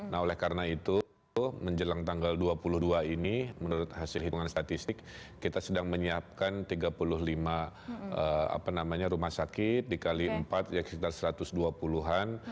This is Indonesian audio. nah oleh karena itu menjelang tanggal dua puluh dua ini menurut hasil hitungan statistik kita sedang menyiapkan tiga puluh lima rumah sakit dikali empat ya sekitar satu ratus dua puluh an